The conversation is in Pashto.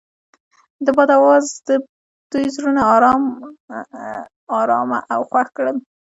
د باد اواز د دوی زړونه ارامه او خوښ کړل.